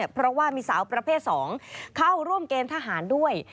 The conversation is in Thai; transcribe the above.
เพราะว่ามีสาวประเภท๒เข้าร่วมเกณฑ์ทหารด้วย